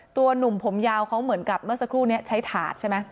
หนุ่มผมยาวเขาเหมือนกับเมื่อสักครู่นี้ใช้ถาดใช่ไหม